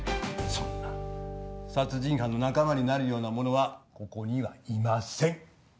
そんな殺人犯の仲間になるような者はここにはいません